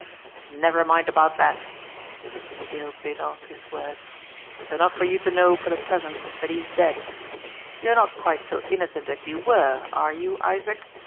"Never mind about that !" Jimmie Dale bit off his words. "It's enough for you to know for the present that he is dead. You're not quite so innocent as you were are you, Isaac?